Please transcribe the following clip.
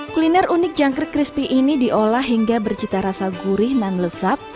kuliner unik jangkrik crispy ini diolah hingga bercita rasa gurih dan lezat